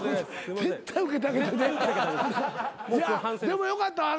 でもよかったわ。